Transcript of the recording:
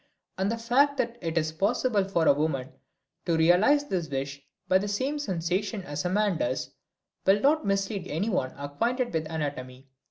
And the fact that it is possible for a woman to realize this wish by the same sensation as a man does, will not mislead anyone acquainted with anatomy.